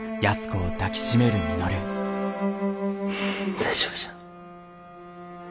大丈夫じゃ。